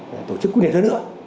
để tổ chức quyết liệt hơn nữa